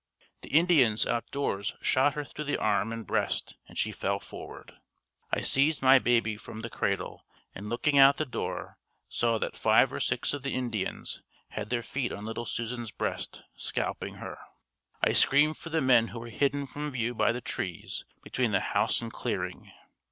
The Indians out doors shot her through the arm and breast and she fell forward. I seized my baby from the cradle and looking out the door, saw that five or six of the Indians had their feet on little Susan's breast, scalping her. I screamed for the men who were hidden from view by the trees between the house and clearing.